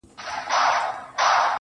o زه او زما ورته ياران.